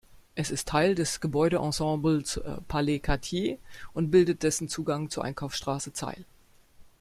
Es ist Teil des Gebäude-Ensembles Palais Quartier und bildet dessen Zugang zur Einkaufsstraße Zeil.